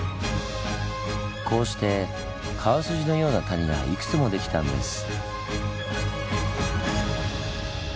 こうして川筋のような谷がいくつもできたんです。